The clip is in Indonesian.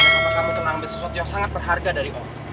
karena kamu telah ambil sesuatu yang sangat berharga dari om